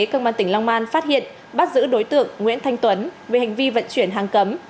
công an tỉnh long an phát hiện bắt giữ đối tượng nguyễn thanh tuấn về hành vi vận chuyển hàng cấm